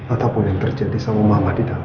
ataupun yang terjadi sama mama di dalam